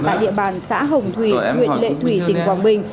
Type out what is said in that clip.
tại địa bàn xã hồng thủy huyện lệ thủy tỉnh quảng bình